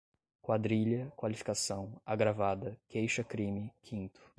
quadrilha, qualificação, agravada, queixa-crime, quinto